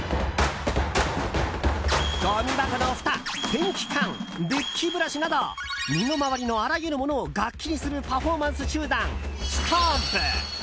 ごみ箱のふた、ペンキ缶デッキブラシなど身の回りのあらゆるものを楽器にするパフォーマンス集団、ストンプ。